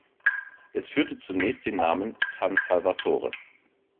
Es führte zunächst den Namen San Salvatore.